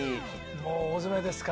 もう大詰めですか。